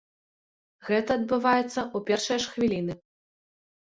Гэта адбываецца ў першыя ж хвіліны.